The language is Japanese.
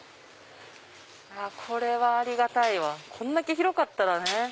これはありがたいわこんだけ広かったらね。